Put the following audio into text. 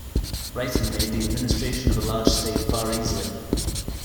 Writing made the administration of a large state far easier.